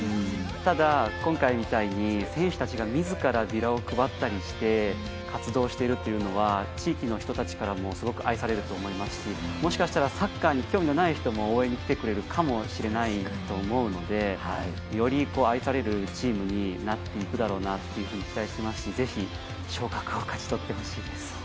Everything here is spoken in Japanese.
ただ、今回みたいに選手たちが自らビラを配ったりして活動しているというのは地域の人たちからもすごく愛されると思いますしもしかしたらサッカーに興味のない人も応援に来てくれるかもしれないと思うのでより愛されるチームになっていくだろうなと期待していますしぜひ昇格を勝ち取ってほしいです。